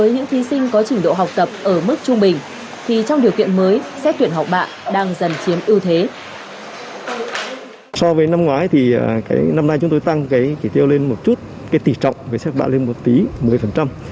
nhưng trong các trường tốt dưới hướng tới những thí sinh có trình độ học tập ở mức trung bình